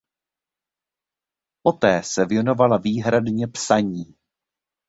Poté se věnovala výhradně psaní.